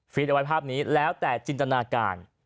เอาไว้ภาพนี้แล้วแต่จินตนาการ